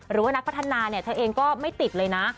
หรือว่านักพัฒนาเนี่ยเธอเองก็ไม่ติดเลยนะ